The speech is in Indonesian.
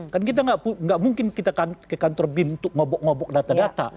kan kita nggak mungkin kita ke kantor bin untuk ngobok ngobok data data